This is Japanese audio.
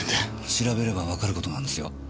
調べればわかる事なんですよ。